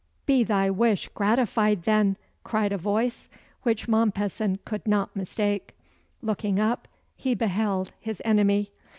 "Be thy wish gratified then!" cried a voice, which Mompesson could not mistake. Looking up, he beheld his enemy.